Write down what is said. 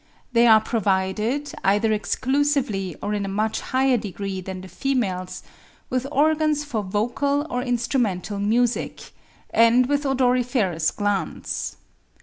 They are provided, either exclusively or in a much higher degree than the females, with organs for vocal or instrumental music, and with odoriferous glands.